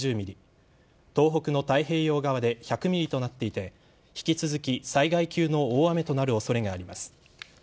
東北の太平洋側で１００ｍｍとなっていて引き続き災害級の大雨となる恐れがあります。